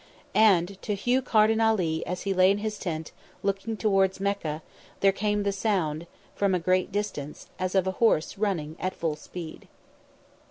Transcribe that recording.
And to Hugh Carden Ali as he lay in this tent, looking towards Mecca, there came the sound, from a great distance, as of a horse running at full speed.